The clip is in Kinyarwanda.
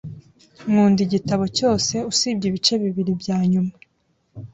Nkunda igitabo cyose usibye ibice bibiri byanyuma.